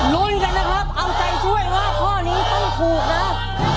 ลุ้นกันนะครับเอาใจช่วยว่าข้อนี้ต้องถูกนะ